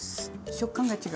食感が違う。